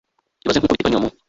ibanze nk uko biteganywa mu